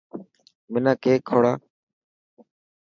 منا ڪيڪ کوڙا.